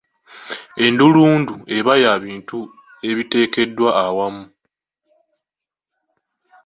Endulundu eba ya bintu ebiteekeddwa awamu.